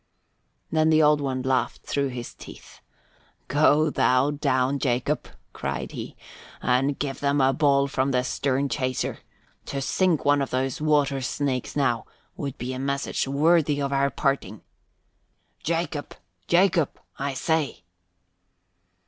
Then the Old One laughed through his teeth. "Go thou down, Jacob," cried he, "and give them a ball from the stern chaser. To sink one of those water snakes, now, would be a message worthy of our parting. Jacob! Jacob, I say!"